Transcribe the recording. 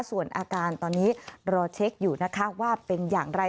ส่วนอาการตอนนี้รอเช็คอยู่นะคะว่าเป็นอย่างไร